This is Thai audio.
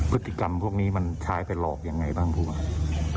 พฤติกรรมพวกนี้มันใช้ไปหลอกยังไงบ้างผู้ว่า